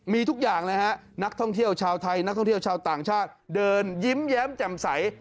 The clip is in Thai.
มีทุกอย่างเลยฮะนักท่องเที่ยวชาวไทยนักท่องเที่ยวชาวต่างชาติเดินยิ้มแย้มแจ่มใส